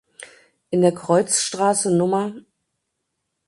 In der Kreuzstraße Nr.